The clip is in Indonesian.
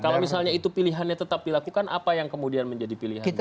kalau misalnya itu pilihannya tetap dilakukan apa yang kemudian menjadi pilihan kita